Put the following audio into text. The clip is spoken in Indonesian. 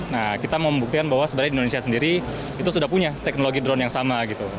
nah kita mau membuktikan bahwa sebenarnya di indonesia sendiri itu sudah punya teknologi drone yang sama gitu